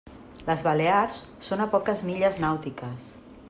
Les Balears són a poques milles nàutiques.